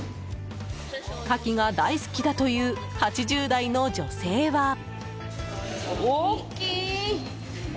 カキが大好きだという８０代の女性は。